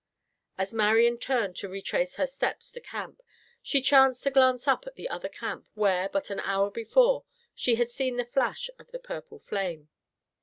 As Marian turned to retrace her steps to camp, she chanced to glance up at the other camp where, but an hour before, she had seen the flash of the purple flame.